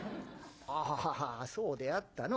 「ああそうであったのう。